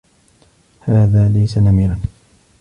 هذا ليس نمراً.